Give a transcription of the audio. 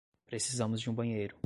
Precisamos de um banheiro.